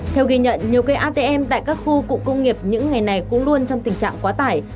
theo ghi nhận nhiều cây atm tại các khu cụ công nghiệp những ngày này cũng luôn trong tình trạng quá tải